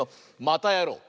またやろう！